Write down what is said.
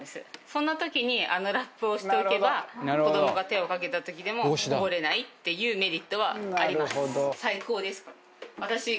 そんな時にあのラップをしておけば子どもが手をかけた時でもこぼれないっていうメリットはあります。